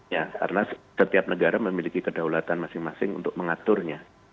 ya karena setiap negara memiliki kedaulatan masing masing untuk mengaturnya